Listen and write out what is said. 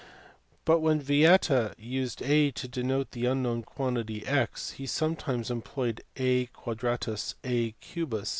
But when Vieta used A to denote the unknown quantity x, he sometimes employed A quadratics, A cubus